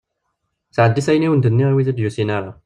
Sɛeddi-t ayen i awen-d-nniɣ i wid ur d-yusin ara.